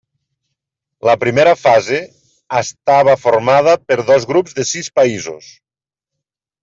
La primera fase estava formada per dos grups de sis països.